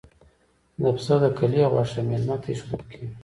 د پسه د کلي غوښه میلمه ته ایښودل کیږي.